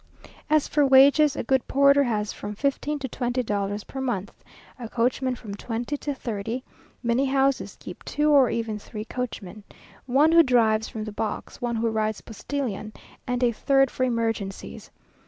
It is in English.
As for wages, a good porter has from fifteen to twenty dollars per month; a coachman from twenty to thirty many houses keep two or even three coachmen; one who drives from the box, one who rides postilion, and a third for emergencies.